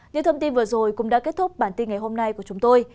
những thông tin vừa rồi cũng đã kết thúc bản tin ngày hôm nay của chúng tôi